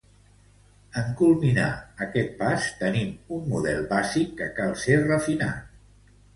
En culminar aquest pas, tenim un model bàsic que cal ser refinat.